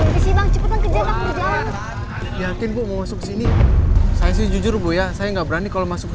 bang cepetan kejar jauh jauh yakin mau masuk sini saya jujur boya saya nggak berani kalau masuk ke